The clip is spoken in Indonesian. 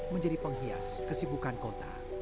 menjadi penghias kesibukan kota